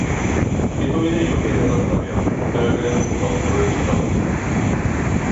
개똥이는 이렇게 대답하며 흘금 덕호를 쳐다보았다.